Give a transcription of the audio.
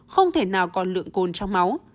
không thể nào còn lượng cồn trong máu